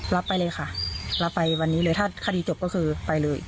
รับไปเลยค่ะรับไปวันนี้เลยถ้าคดีจบก็คือไปเลย